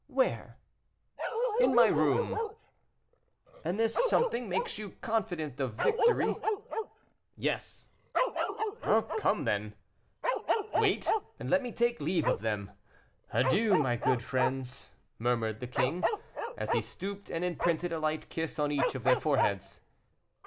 "Where?" "In my room." "And this something makes you confident of victory?" "Yes." "Come, then." "Wait, and let me take leave of them. Adieu, my good friends," murmured the king, as he stooped and imprinted a light kiss on each of their foreheads.